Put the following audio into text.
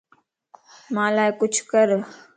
مان لا ڪچهه ڪر